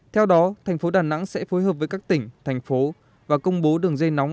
theo đó tp đà nẵng sẽ phối hợp với các tỉnh thành phố và công bố đường dây nóng